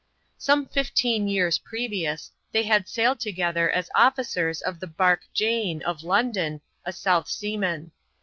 Some fifteen years previous, they had sailed together 88 officers of the bark Jane, of London, a South Seaman.